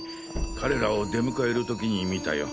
彼らを出迎える時に見たよ。